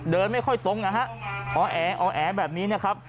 เดินไม่ค่อยสงฮ่ะอ๋อแออ๋อแอแบบนี้นะครับ